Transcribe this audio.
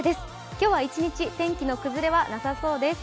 今日は一日天気の崩れはなさそうです。